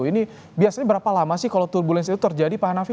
ini biasanya berapa lama sih kalau turbulensi itu terjadi pak hanafi